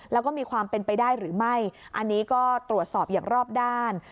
แล้วก็มีความเป็นไปได้หรือไม่อันนี้ก็ตรวจสอบอย่างรอบด้าน